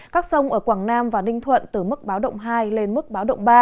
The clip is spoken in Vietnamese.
các sông ở quảng nam và ninh thuận từ mức báo động hai lên mức báo động ba